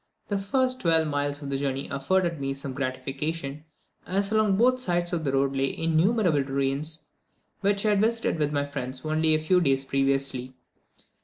The first twelve miles of the journey afforded me some gratification, as along both sides of the road lay innumerable ruins, which I had visited with my friends only a few days previously.